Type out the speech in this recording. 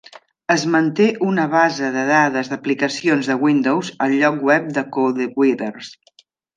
Es manté una base de dades d'aplicacions de Windows al lloc web de CodeWeavers.